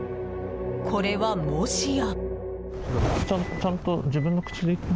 これは、もしや。